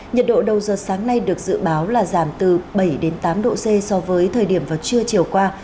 nhiệt độ đầu giờ sáng nay được dự báo là giảm từ bảy đến tám độ c so với thời điểm vào trưa chiều qua